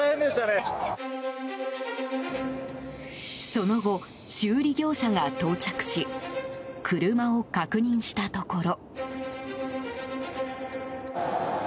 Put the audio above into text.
その後、修理業者が到着し車を確認したところ。